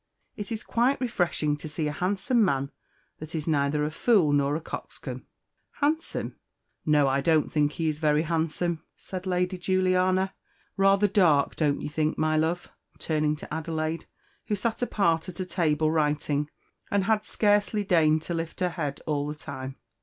It is quite refreshing to see a handsome man that is neither a fool nor a coxcomb." "Handsome! no, I don't think he is very handsome," said Lady Juliana. "Rather dark, don't you think, my love?" turning to Adelaide, who sat apart at a table writing, and had scarcely deigned to lift her head all the time.